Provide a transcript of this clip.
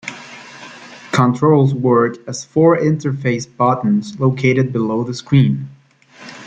Controls work as four interface buttons located below the screen.